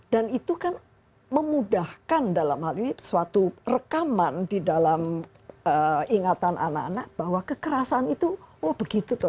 dan itu kan memudahkan dalam hal ini suatu rekaman di dalam ingatan anak anak bahwa kekerasan itu oh begitu toh